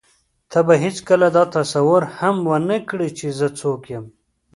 ته به هېڅکله دا تصور هم ونه کړې چې زه څوک یم.